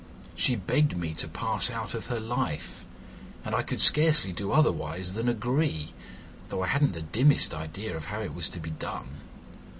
She begged me to pass out of her life, and I could scarcely do otherwise than agree, though I hadn't the dimmest idea of how it was to be done.